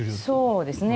そうですね。